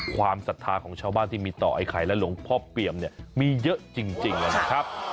ความสัตว์ภาคของชาวบ้านที่มีต่อไอ้ไข่และหลงพ่อเปรียมเนี่ยมีเยอะจริงแล้วนะครับ